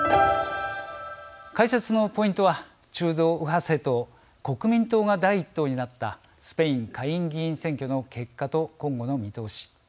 解説のポイントは中道右派政党・国民党が第１党になったスペイン下院議員選挙の結果と今後の見通し